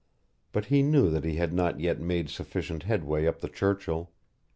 But he knew that he had not yet made sufficient headway up the Churchill.